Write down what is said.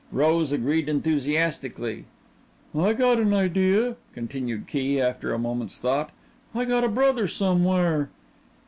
Rose agreed enthusiastically. "I got an idea," continued Key, after a moment's thought, "I got a brother somewhere."